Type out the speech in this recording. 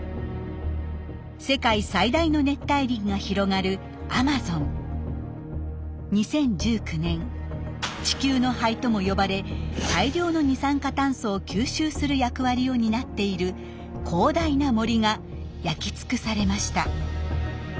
世界最大の熱帯林が広がる２０１９年「地球の肺」とも呼ばれ大量の二酸化炭素を吸収する役割を担っている広大な森が焼き尽くされました。